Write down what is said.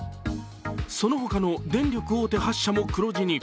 そのほかの電力大手８社も黒字に。